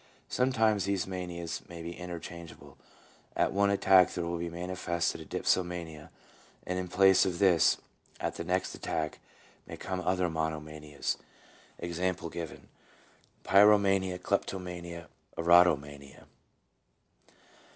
Sometimes these manias may be interchangeable; at one attack there will be manifested a dipsomania, and in place of this at the next attack may come other monomanias — e.g. t pyromania, kleptomania, or erotomania.